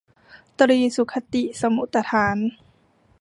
ตรีสุคติสมุฏฐาน